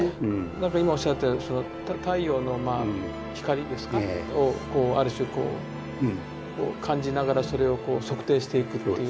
何か今おっしゃったその太陽のまあ光ですか？をある種こう感じながらそれをこう測定していくっていう。